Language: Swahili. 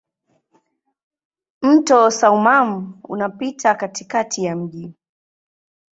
Mto Soummam unapita katikati ya mji.